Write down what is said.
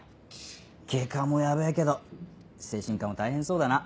外科もヤベェけど精神科も大変そうだな。